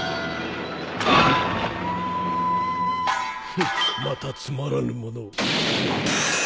フッまたつまらぬものを。